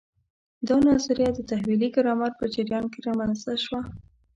دا نظریه د تحویلي ګرامر په جریان کې رامنځته شوه.